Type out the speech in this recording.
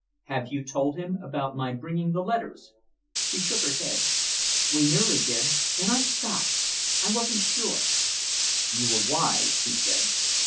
"Have you told him about my bringing the letters?" She shook her head. "We nearly did. Then I stopped I wasn't sure." "You were wise," he said.